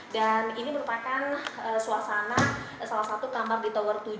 dan ini merupakan suasana salah satu kamar di tower tujuh